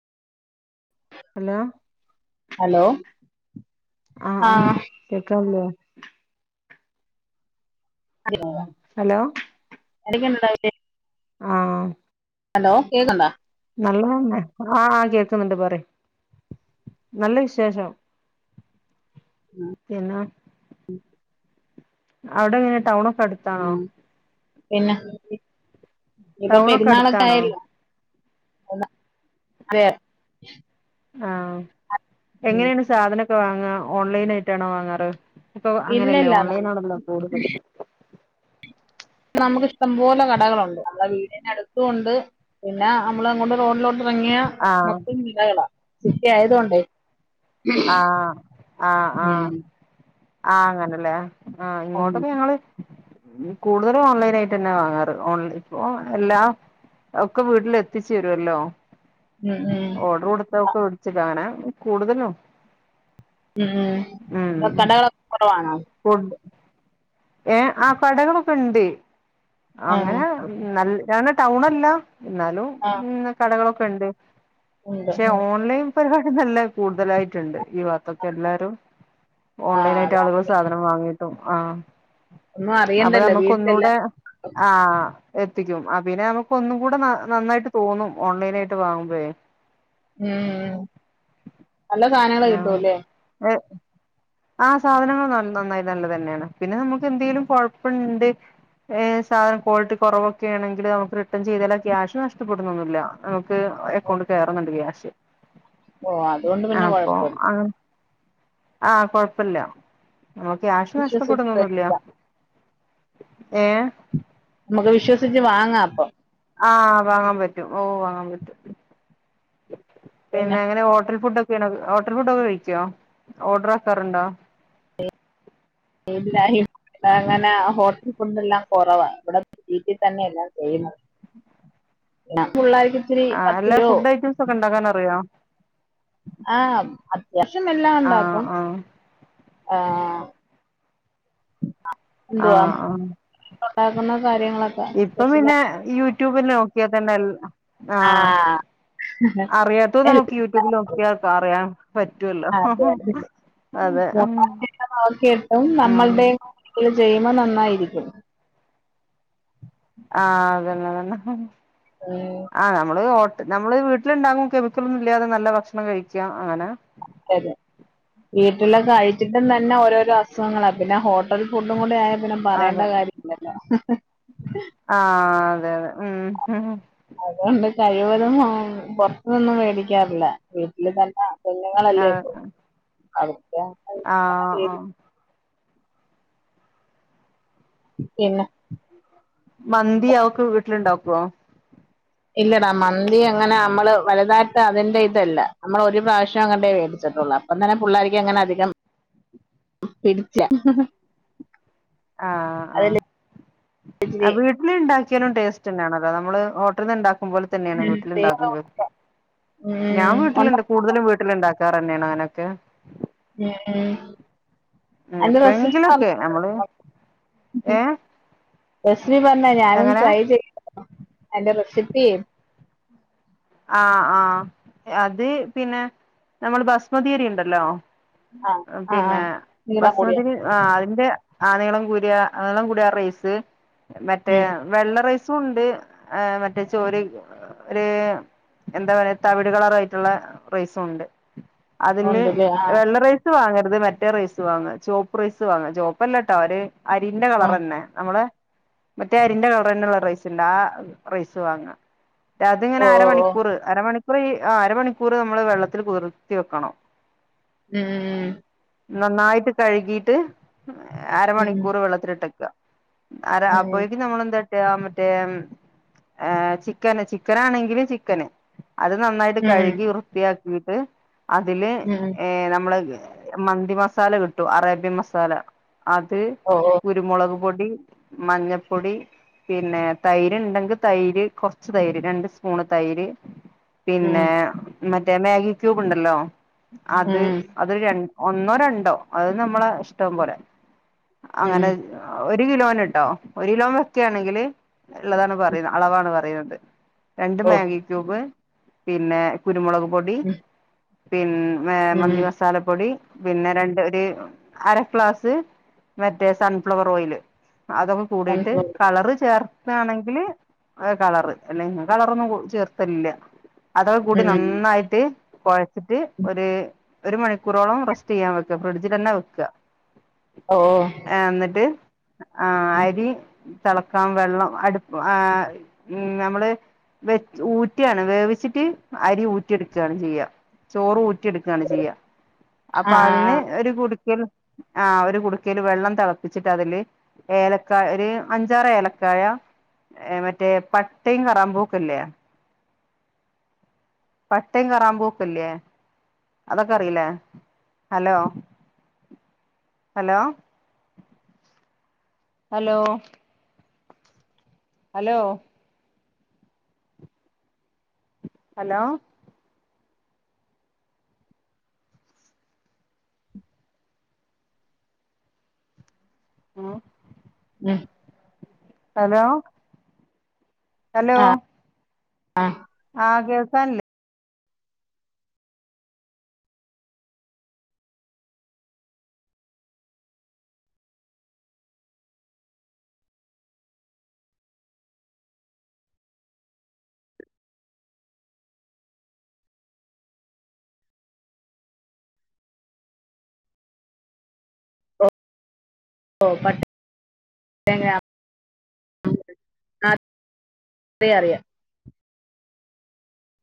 Hello hello ആഹ് ആഹ് കേക്കാല്ലോ ഹലോ [unintelligible] ആ ഹലോ കേക്ക്ണ്ടോ നല്ലത തന്നെ ആ കേൾക്കുന്നുണ്ട് പറി നല്ല വിശേഷം എന്ന അവിടെ എങ്ങനെ ടൗണൊ ടുത്താണോ പിന്ന ഇപ്പൊ ടൗണൊക്കെ പെരുന്നാളക്ക അടുത്താണോ ആയല്ലോ എന്ന വേ അഹ് എങ്ങനെയാണ് സാധന പ്പോ വാങ്ങ ഓൺലൈൻ ആയിട്ടാണോ വാങ്ങാറ് ഇപ്പ ഇല്ല അങ്ങനെയല്ലേ ഇല്ല ഓൺലൈനാണല്ലോ കൂടുതൽ നമുക്കിഷ്ടം പോലെ കടകളുണ്ട് നമ്മടെ വീടിനടുത്തുണ്ട് പിന്ന നമ്മളെങ്ങോട്ട് റോഡിലോട്ട് ഭങ്ങിയ ആഹ് മൊത്തം നിലകളാ സിറ്റി ആയതോണ്ടെ അഹ് ആ ആ അഹ് അങ്ങനല്ലേ അ ആഹ് ഉം ഇങ്ങോട്ടൊക്കെ ഞങ്ങള് കൂടുതലും ഓൺലൈനായിട്ട് ന്നെ വാങ്ങാറ് ഓൺ ഇപ്പൊ എല്ലാ ഒക്കെ വീട്ടില് എത്തിച്ചുരുവല്ലോ ഉം ഉം ഓടർ കൊടുത്തൊക്ക് [unintelligible] കൂടുതലും ഉം ഉം പ്പം കടകളൊ കൊതുവാണോ ഫുഡ് ഏ ആ കടകളൊക്കെ ഉണ്ടെ ആഹ് അങ്ങനെ ന ഞാന് ടൗണല്ല എന്നാലും ആഹ് ഉം കടകളൊെ ക്കൊണ്ട് ഉണ്ട് ക്ഷെ ഓൺലൈൻ പരിപാടി നല്ല കൂടുതലായിട്ടുണ്ട് ഈ ഭാഗത്തൊക്കെ എല്ലാരും ആഹ് ഓൺലൈൻ ആയിട്ട് അതാ ആളുകൾ സാധനം വാങ്ങിയിട്ടു ആ ഒന്നും അപ്പ അറിയണ്ടല്ലോ നമുക്ക് ഒന്നൂടെ വീട്ടിലെല്ലാം ആ എത്തിക്കും അ പിന്നെ നമുക്ക് ഒന്നും കൂടെ ന നന്നായിട്ട് തോന്നും ഓൺലൈനായിട്ട് വാങ്ങുമ്പഴെ ഉം ഉം നല്ല സാനങ്ങള് കിട്ടുംല്ലേ ആ ആ സാധനങ്ങൾ നൽ നന്നായി നല്ലത് തന്നെയാണ് പിന്നെ നമു ഇതെന്തേലും കൊഴപ്പണ്ട് ഏ സാനം ക്വാളിറ്റി കൊറവൊക്കെ ആണെങ്കിൽ നമുക്ക് റിട്ടേൺ ചെയ്താല് ക്യാഷ് നഷ്ടപ്പെടുന്നൊന്നുല്ല ഓ എക്കൗണ്ടി കയറുന്നുണ്ട് ക്യാഷ് ഓ അതുകൊണ്ട് പിന്നെ അപ്പൊ കൊഴപ്പല്ല ആ കൊഴപ്പെല്ല ആ ക്യാഷ് വിശ്വസിച്ച് നഷ്ടപ്പെടുന്നൊന്നൂല്യ മ്മക്ക് വിശ്വസിച്ച് വാങ് ങ്ങാം അപ്പം ആ വാങ്ങാൻ പറ്റും ഓ വാങ്ങാൻ പറ്റും പിന്നെ പിന്നെങ്ങനെ ഹോട്ടൽ ഫുഡ് ഹോട്ടൽ ഫുഡൊക്കെ കഴിക്യോ ഓർഡർ ആക്കാറുണ്ടോ ഇല്ലാ [unintelligible] ഇവിടെ അങ്ങനെ ഹോട്ടൽ ഫുഡ് എല്ലാം കൊറവാ. ഇവിടെ വീട്ടി തന്നെയല്ലാം ചെയ്യുന്നത് [unintelligible] ആ അല്ല പത്തിരോ ഫുഡ് ഐറ്റംസ് ഒക്കെ ഉണ്ടാക്കാൻ അറിയോ ആ [unintelligible] എല്ലാം ആ ഉണ്ടാക്കും ആ ആ ആ എന്തുവാ ആ [inaudible] കാര്യങ്ങളൊക്കെ [unintelligible] ട്യൂബില് നോക്കിയാ തന്നെ [unintelligible] ആ അറിയാത്തത് നമുക്ക് എല്ലാം യൂട്യൂബിൽ നോക്കിയ അറിയാൻ പറ്റൂല്ലോ ങ് അതെ ഹോ അതെ ഓ അതെ മ് മൂന്നാം ചേമ നന്നായിരിക്കും ആഅതന്നെ തന്നെ ഉം ആ നമ്മള് നമ്മള് വീട്ടിലുണ്ടാവും കെമിക്കൽ ഒന്നും ഇല്ലാതെ നല്ല ഭക്ഷണം കഴിക്കാം അങ്ങനെ അതതെ വീട്ടിലെ കയിച്ചിട്ടും തന്നെ ഓരോരോ അസുഖങ്ങളാ പിന്നെ ഹോട്ടൽ ഫുഡും കൂടെ ആയ ന്നെ പറയേണ്ട കാര്യല്ലല്ലോ ആ [unintelligible] മ് [unintelligible] അതുകൊണ്ട് കഴിവതും പുറത്തൊന്നും മേടിക്കാറില്ല വീട്ടില് തന്നാ ആ അത് ആ ആ പിന്നെ മന്തി അവക്ക് വീട്ടിലിണ്ടക്കുവോ ഇല്ലടാ മന്തി അങ്ങനെ നമ്മള് വലുതായിട്ട് അതിന്റെ ഇതല്ല നമ്മൾ ഒരു പ്രാവശ്യം അങ്ങണ്ടേ വേടിച്ചിട്ടുള്ളൂ അപ്പം തന്നെ പിള്ളേർക്ക് അങ്ങനെ അധികം പിടിച്ചില ആ ആ ഇച്ചിരി വീട്ടില് ഇണ്ടാ ഒരിക്കലും ടസ്റ്റ് തന്നാണല്ലോ നമ്മള് ഹോട്ടിലിന്നോണ്ട ഉം തന്നെയാണ് വീട്ടിലുണ്ടാക്കുമ്പഴും ഞാൻ ഉം ഉണ്ടോ വീട്ടിലുണ്ട് കൂടുതലും വീട്ടിലിണ്ടാ [unintelligible] മ് മ് എന്റെ റെസിപ്പി പറ എപ്പോഴെങ്കിലൊക്കെ നമ്മള് ഏ റെസിപ്പി പറഞ്ഞ ഞാനും എങ്ങനെ ട്രൈ ചെയ് എന്റെ റെസിപ്പി [inaudible] ആ ആ അത് പിന്നെ നമ്മള് ബസ്മതിയരി ഉണ്ടല്ലോ ആ ആ ആ പിന്നെ നീളം കൂടിയ ബസ്മതി ആ അതിന്റെ ആ നീളം കൂടിയ നീളം കൂടിയ ആ റൈസ് മറ്റേ ഉം വെള്ള റൈസ് സുണ്ട് ആ മറ്റേ ചോറി ഒര് എന്താ പറയാ തവിട് കളറായിട്ടുള്ള റൈസും ഉണ്ട് അതില് ഉണ്ടല്ലേ ആ വെള്ളറൈസ് വാങ്ങ അത് മറ്റേ റൈസ് വാങ്ങ ചോപ്പ് റൈസ് വാങ്ങ ചോപ്പല്ലാട്ടോ അവര് അരിന്റെ ആ കളറ് തന്നെ നമ്മള് മറ്റേ അരിന്റെ കളർ തന്നുള്ള റൈസ്ണ്ട് ആ റൈസ് വാങ്ങാം അതിങ്ങെനെ ഓ അര ഓ മണി ഓ കൂറ് അര മണി അ അരമണിക്കൂറ് നമ്മള് വെള്ളത്തിൽ കുതിർത്തി വെക്കണം മ് നന്നായിട്ട് കഴുകിട്ട് ഉം ഉം അരമണിക്കൂറ് വെളത്തിലിട്ടേക ആരാ ഉം അപ്പോയേക്കും നമ്മളെന്ത- [unintelligible] മറ്റേ ഏ ചിക്കന് ചിക്കാനാണെങ്കില് ചി ക്കന് അത് നന്നായിട്ട് ഉം ഉം കഴുകി വൃത്തിയാ എന്നിട്ട് അതില് ഉം ഉം. ഏ നമ്മള്ക് മന്തി മസാല കിട്ടൂ അറേബ്യൻ മസാല അത് ഓ ഓ കുരുമൊളക് പ് പൊടി മഞ്ഞപ്പൊടി പിന്നെ തൈര് ണ്ടെങ്കി തൈര് കൊർച് തൈര് രണ്ട് സ്പൂണ് - തൈര് ഉം പിന്നാ മറ്റേ മാഗി ക്യൂബ്ണ്ടല്ലോ അത് ഉം അത് ര- ഒന്നോ രണ്ടോ അത് നമ്മള- ഇഷ്ടം പോലെ ഉം ഉം അങ്ങനെ- ഒരു കിലോന്ട്ടോ ഒരിലോ വെക്കാ ണെങ്കില് ഇള്ളതാണ് പറീന്ന അളവാണ് പറീണത്- എ ഓ മാഗി ക്യൂബ് പിന്നെ കുരുമുളകും പൊടി ഉം പിന്നെ മേ ഉം മന്തി മസാല പ്പൊടി പിന്നെ രണ്ട് ഒര് അര ക്ലാസ് മറ്റേ സൺഫ്ലവർ ഓയില് അതൊക്ക കൂടിയിട്ട് സൺഫ്ലവർ കളറ് ചേർ- താണെങ്കില് അ കളറ് അല്ല നാ കള റൊന്നും കു ചേർത്തലില്ല അതോ കൂടി ഉം ഉം നന്നായ്ട്ട് കൊഴച്ചിട്ട് ഉം. ഒര് ഒരു മണിക്കൂറോളം റെസ്റ്റ്യ്യാൻ വെക്കഫ്രിഡ്ജിതന്നെ വെക്ക. ഓ ഓ ഏ ആന്ന്ട്ട് അ ഉം അരി തെളക്കാം വെള്ളംഅടുപ്പ് അ അ ഹ്മ് നമ്മള് വെച്ച് ഊറ്റിയാണ് വേവിച്ചിട്ട് അരി ഊറ്റിയെട്ക്കാണ് ചെയ്യ ചോറ് ഊ- റ്റെടുക്കാണ് ചെയ്യ ആ അപ്പൊ അതിന് ആ ഒരു കുടുക്കൽ ആ ഒരു കുടിക്കൽ വെള്ളം തിളപ്പിച്ചിട്ട് അതില് ഏലക്കായ ഒരു അഞ്ചാറ് ഏലക്കായ മറ്റേ പട്ടയും കറാമ്പൂ പ്ല്ലേ പട്ടയും കറാമ്പൂക്കല്ലേ അതൊക്കെ അറിയില്ലേ hello hello hello hello hello ഉം ഉം ഹലോ ഹലോ. ആഹ് ആഹ് കേൾക്കാൻ ല്ലേ? [unintelligible] അറിയ അറിയാം